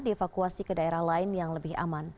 dievakuasi ke daerah lain yang lebih aman